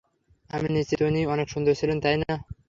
আমি নিশ্চিত উনি অনেক সুন্দর ছিলেন, তাই না?